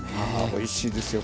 おいしいですよ